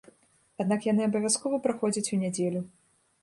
Аднак яны абавязкова праходзяць у нядзелю.